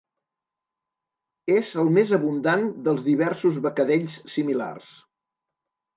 És el més abundant dels diversos becadells similars.